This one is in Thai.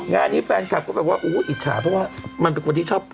งานนี้แฟนคลับก็แบบว่าอิจฉาเพราะว่ามันเป็นคนที่ชอบ